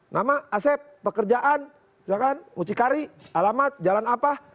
nama asep pekerjaan mucikari alamat jalan apa